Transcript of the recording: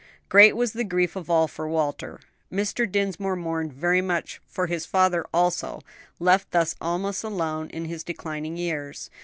Great was the grief of all for Walter; Mr. Dinsmore mourned very much for his father also, left thus almost alone in his declining years.